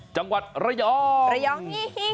จังหวัดระยอง